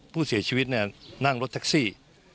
ผู้เสียชีวิตนั่งรถแท็กซี่